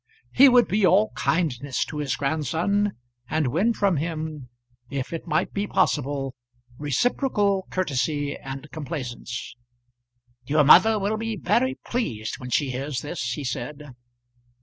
He would be all kindness to his grandson and win from him, if it might be possible, reciprocal courtesy and complaisance. "Your mother will be very pleased when she hears this," he said.